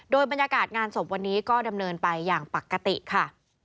โดยบรรยากาศงานศพวันนี้ก็ดำเนินไปอย่างปกติค่ะ